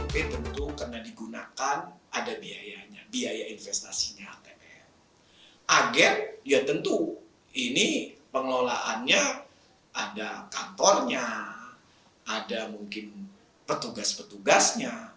pengelolaannya ada kantornya ada mungkin petugas petugasnya